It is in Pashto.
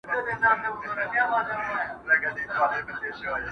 جنابِ عشقه ما کفن له ځان سره راوړی,